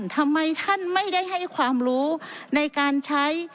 ทำไมท่านไม่ได้ให้ความรู้ในการใช้